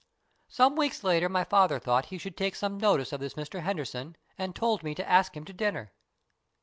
" Some weeks later my father thought he should take some notice of this Mr Henderson, and told me to ask him to dinner.